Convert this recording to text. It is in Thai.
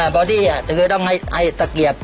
บอดี้คือต้องให้ตะเกียบ